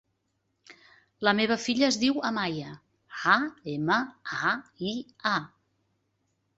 La meva filla es diu Amaia: a, ema, a, i, a.